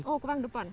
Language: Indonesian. oh ke depan